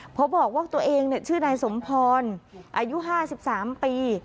พ่อบอกว่าตัวเองชื่อในสมพรอายุ๕๓ปี